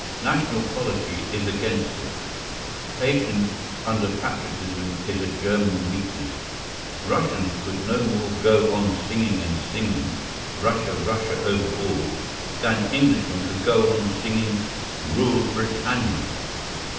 National quality is against it. Patience under patriotism is a German weakness. Russians could no more go on singing and singing, "Russia, Russia over all," than Englishmen could go on singing "Rule, Britannia."